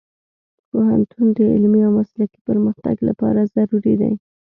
پوهنتون د علمي او مسلکي پرمختګ لپاره ضروري دی.